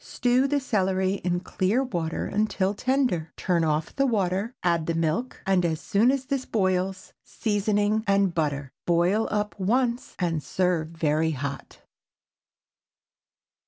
Stew the celery in clear water until tender. Turn off the water, add the milk, and as soon as this boils, seasoning and butter. Boil up once and serve very hot.